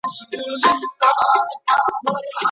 قرباني بې پسونو نه کېږي.